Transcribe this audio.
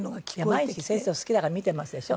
毎日先生を好きだから見てますでしょ。